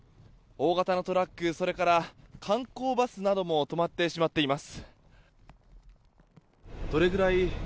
大型のトラック、それから観光バスなども止まってしまっています。